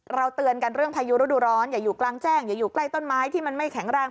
เตือนกันเรื่องพายุฤดูร้อนอย่าอยู่กลางแจ้งอย่าอยู่ใกล้ต้นไม้ที่มันไม่แข็งแรง